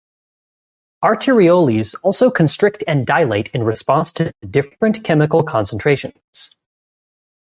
Arterioles also constrict and dilate in response to different chemical concentrations.